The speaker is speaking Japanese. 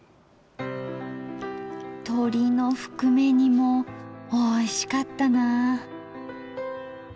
とりのふくめ煮もおいしかったな。